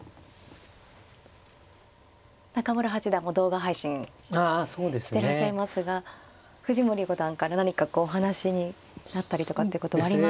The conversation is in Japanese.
中村八段も動画配信してらっしゃいますが藤森五段から何かこうお話しになったりとかってこともありますか。